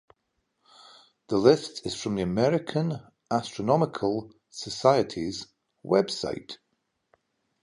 This list is from the American Astronomical Society's website.